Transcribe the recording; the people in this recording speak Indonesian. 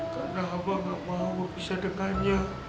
karena amah gak mau bisa dengannya